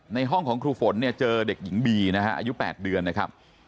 ในห้องของครูฝนเนี่ยเจอเด็กหญิงบีนะฮะอายุ๘เดือนนะครับ